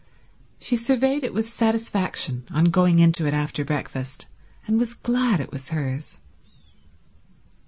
She surveyed it with satisfaction on going into it after breakfast, and was glad it was hers.